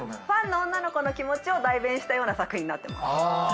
ファンの女の子の気持ちを代弁したような作品になってます。